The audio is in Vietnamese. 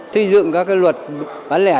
thi dựng các luật bán lẻ